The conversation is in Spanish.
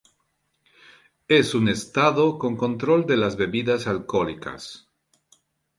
Es un estado con control de las bebidas alcohólicas.